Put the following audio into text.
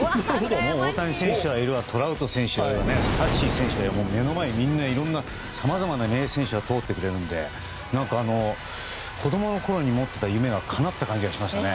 大谷選手はいるわトラウト選手はいるわ目の前にいろんなさまざまな名選手が通ってくれるので子供のころに持った夢はかなった感じがしました。